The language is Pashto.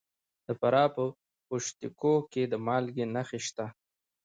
د فراه په پشت کوه کې د مالګې نښې شته.